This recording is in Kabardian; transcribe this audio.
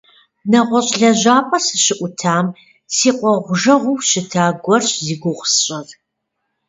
Нэгъуэщӏ лэжьапӏэ сыщыӏутам си кӏуэгъужэгъуу щыта гуэрщ зи гугъу сщӏыр.